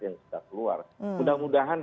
yang sudah keluar mudah mudahan